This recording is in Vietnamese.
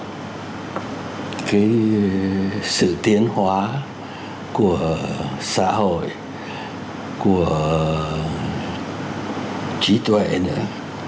cái sự tiến hóa của xã hội của trí tuệ nữa